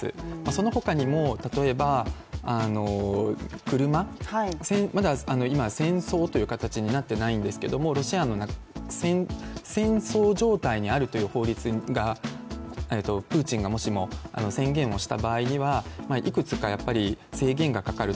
その他にも例えば車、まだ、今、戦争という形になっていないんですけど、戦争状態にあるという法律がプーチンがもしも宣言した場合にはいくつか制限がかかる。